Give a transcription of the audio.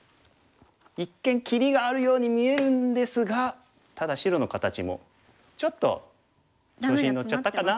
一見切りがあるように見えるんですがただ白の形もちょっと調子に乗っちゃったかな？